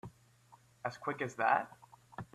As quick as that?